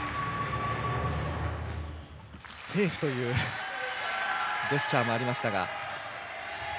セーフというジェスチャーもありましたが。